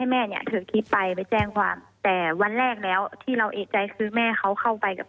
เมื่อกี้อัลฟิปสานะกันนะครับโดยไม่ดีแค่แต่พี่จะแค่นี้นะคะ